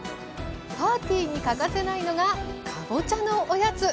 パーティーに欠かせないのがかぼちゃのおやつ。